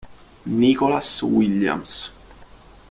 Nicholas Williams